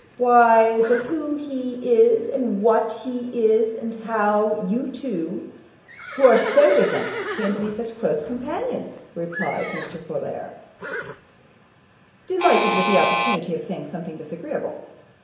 'Why, the who he is and what he is, and how you two, who are so different, came to be such close companions,' replied Mr. Folair, delighted with the opportunity of saying something disagreeable.